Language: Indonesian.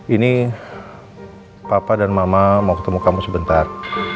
ini papa dan mama mau ketemu kamu sebentar